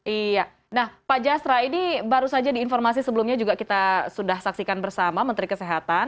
iya nah pak jasra ini baru saja di informasi sebelumnya juga kita sudah saksikan bersama menteri kesehatan